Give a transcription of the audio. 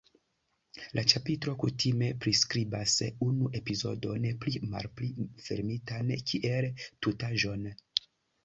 La ĉapitro kutime priskribas unu epizodon pli malpli fermitan kiel tutaĵon.